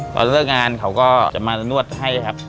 ตอนเลิกงานเขาก็จะมานวดให้ครับ